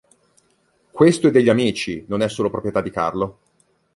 Questo è degli amici, non è solo proprietà di Carlo.